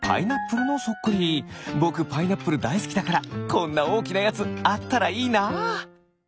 ぼくパイナップルだいすきだからこんなおおきなやつあったらいいな。